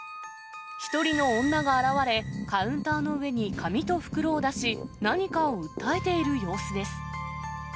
１人の女が現れ、カウンターの上に紙と袋を出し、何かを訴えている様子です。